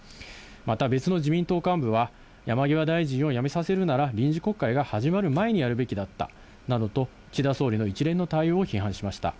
また別の自民党幹部は、山際大臣を辞めさせるなら、臨時国会が始まる前にやるべきだったなどと、岸田総理の一連の対応を批判しました。